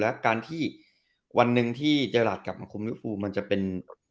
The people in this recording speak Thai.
และการที่วันหนึ่งที่เจอราชกลับมาคุมริวฟูมันจะเป็น